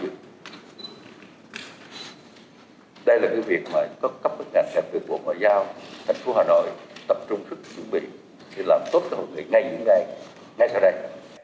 đây là cái việc mà các bệnh nhân sẽ tự vụ bảo giao thành phố hà nội tập trung sức chuẩn bị để làm tốt hội nghị ngay sau đây